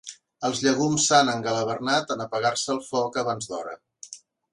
Els llegums s'han engalavernat en apagar-se el foc abans d'hora.